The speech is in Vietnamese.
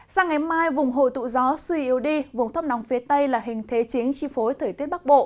sang ngày mai vùng hồi tụ gió suy yếu đi vùng thấp nóng phía tây là hình thế chính chi phối thời tiết bắc bộ